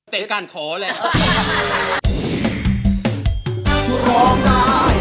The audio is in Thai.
เตะการขอแหละ